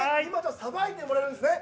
さばいてもらうんですね。